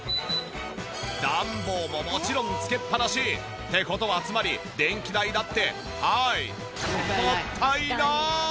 暖房ももちろんつけっぱなし。って事はつまり電気代だってはいもったいない！